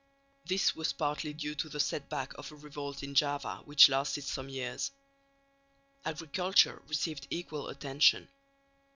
This was partly due to the set back of a revolt in Java which lasted some years. Agriculture received equal attention.